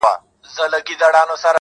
زه ولاړ وم!